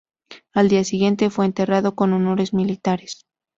Al día siguiente, fue enterrado con honores militares.